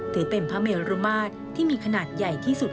ถือเป็นพระเมรุมาตรที่มีขนาดใหญ่ที่สุด